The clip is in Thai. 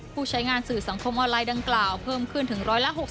ผู้ใช้งานสื่อสังคมออนไลน์ดังกล่าวเพิ่มขึ้นถึง๑๖๐